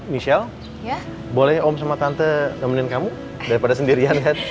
michelle boleh om sama tante nemenin kamu daripada sendirian kan